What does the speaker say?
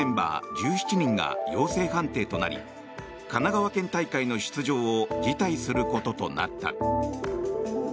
１７人が陽性判定となり神奈川県大会の出場を辞退することとなった。